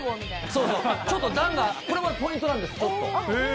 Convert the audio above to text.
ちょっと段が、ポイントなんです、ちょっと。